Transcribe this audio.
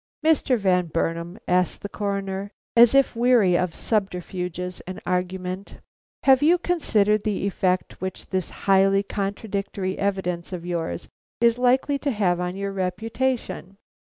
"Mr. Van Burnam," asked the Coroner, as if weary of subterfuges and argument, "have you considered the effect which this highly contradictory evidence of yours is likely to have on your reputation?"